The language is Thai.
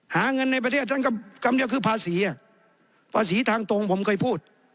หาเงินในประเทศท่านกำยับคือภาษีภาษีทางตรงผมเคยพูด